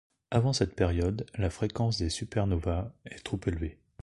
Avant cette période, la fréquence des supernovæ est trop élevée.